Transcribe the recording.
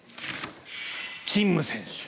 チン・ム選手。